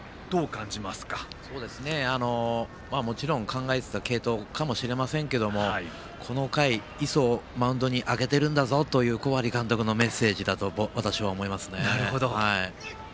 もちろん考えていた継投かもしれませんがこの回、磯をマウンドに上げているんだぞという小針監督のメッセージだと私は感じますね。